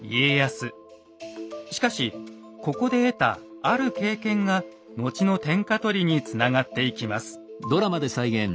しかしここで得たある経験が後の天下取りにつながっていきます。